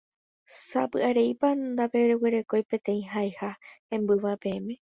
Sapy'areípa ndapeguerekói peteĩ haiha hembýva peẽme.